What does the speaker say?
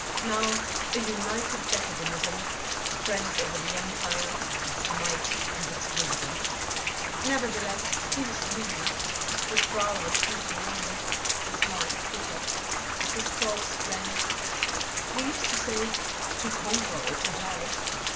Now a united Jacobinism spreads over the empire its might and its wisdom...." Nevertheless, he was gloomy. His brow was deeply lined, his mouth bitter. His thoughts ran: "We used to say: _To conquer or to die.